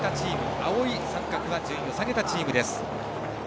青い三角は順位を下げたチームです。